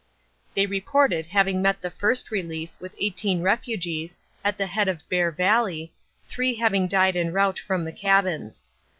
They reported having met the First Relief with eighteen refugees at the head of Bear Valley, three having died en route from the cabins.